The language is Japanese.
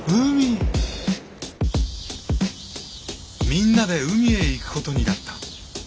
みんなで海へ行くことになった。